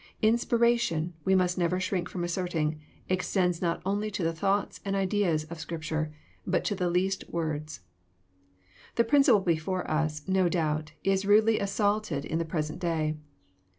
Inspiration, we must never shrink from asserting, extends not only to the thoughts and ideas of Scripture, but to the least words. The principle before us, no doubt, is rudely assaulted in the present day.